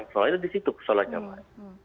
persoalannya di situ persoalannya mbak